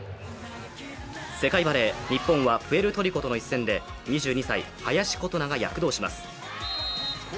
世界バレー、日本はプエルトリコとの一戦で２２歳・林琴奈が躍動します。